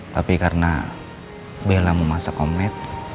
tapi karena bella mau masak omlet